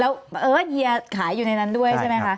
แล้วเอิ้ร์ดเฮียวิชัยถ่ายอยู่ในนั้นด้วยใช่ไหมคะ